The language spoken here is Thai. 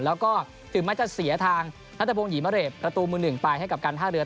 แล้วก็ถึงไม่จะเสียทางนัตรบงห์หยีมะเรศประตูมือหนึ่งปลายให้กับการท่าเรือ